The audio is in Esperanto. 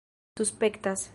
suspektas